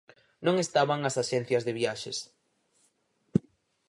Non estaban as axencias de viaxes.